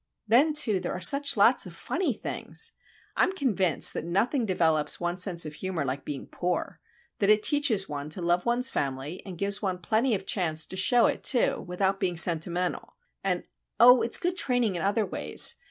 Then, too, there are such lots of funny things! I'm convinced that nothing develops one's sense of humour like being poor,—and it teaches one to love one's family, and gives one plenty of chance to show it, too, without being sentimental; and, oh,—it's good training in other ways.